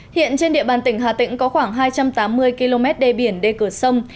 hiện trên địa bàn tỉnh hà tĩnh có khoảng hai trăm tám mươi km đê biển đê cửa sông